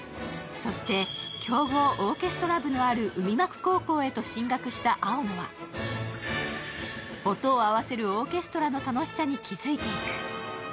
そして強豪オーケストラ部のある海幕高校へと進学した青野は音を合わせるオーケストラの楽しさに気付いていく。